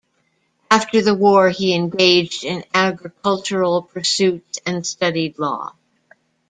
After the war, he engaged in agricultural pursuits and studied law.